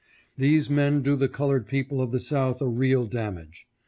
"These men do the colored people of the South a real damage.